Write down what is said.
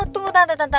ah tunggu tante tante